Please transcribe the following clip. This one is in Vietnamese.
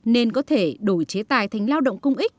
nên có thể đổi chế tài thành lao động công ích